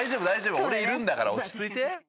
俺いるんだから落ち着いて。